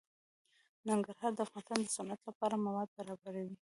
ننګرهار د افغانستان د صنعت لپاره مواد برابروي.